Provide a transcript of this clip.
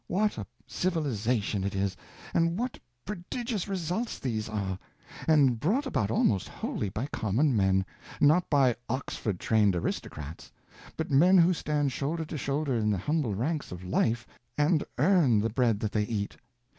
"What a civilization it is, and what prodigious results these are! and brought about almost wholly by common men; not by Oxford trained aristocrats, but men who stand shoulder to shoulder in the humble ranks of life and earn the bread that they eat.